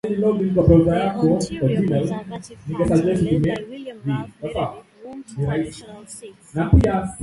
The Ontario Conservative Party, led by William Ralph Meredith won two additional seats.